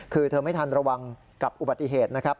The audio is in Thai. คือเธอไม่ทันระวังกับอุบัติเหตุนะครับ